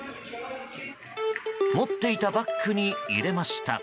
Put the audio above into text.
持っていたバッグに入れました。